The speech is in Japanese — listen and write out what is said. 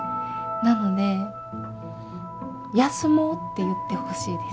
なので「休もう」って言ってほしいです。